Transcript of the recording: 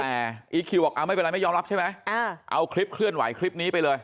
แต่อีคิวบอกเอาไม่เป็นไรไม่ยอมรับใช่ไหมเอาคลิปเคลื่อนไหวคลิปนี้ไปเลย